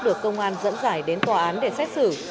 được công an vạn thịnh pháp xét xử